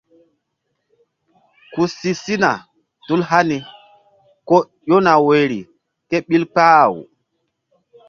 Ku si sina tul hani ko ƴona woyri ké ɓil kpah-aw.